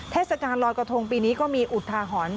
เทศกาลลอยกระทงปีนี้ก็มีอุทาหรณ์